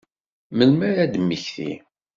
Melmi ara ad temmekti?